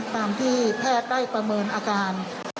แพทย์ได้ประเมินอาการ